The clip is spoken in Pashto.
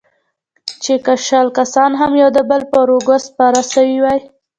چې که شل کسان هم يو د بل پر اوږو سپاره سوي واى.